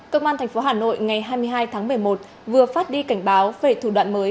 công an tp hà nội ngày hai mươi hai tháng một mươi một vừa phát đi cảnh báo về thủ đoạn mới